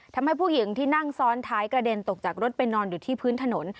ทำให้ผู้หญิงที่นั่งซ้อนท้ายกระเด็นตกจากรถไปนอนอยู่ที่พื้นถนน